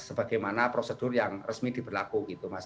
sebagaimana prosedur yang resmi diberlaku gitu mas